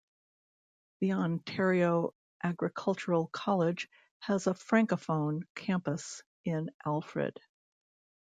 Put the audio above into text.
The Ontario Agricultural College has a francophone campus in Alfred.